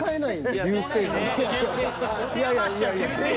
いやいやいやいや。